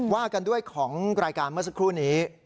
ว่ากันด้วยของรายการเมื่อสักครู่นี้